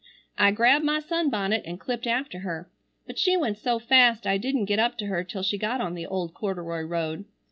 I grabbed my sunbonnet an clipped after her, but she went so fast I didn't get up to her till she got on the old corduroy road.